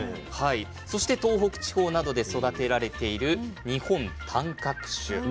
そして東北地方などで育てられている日本短角種。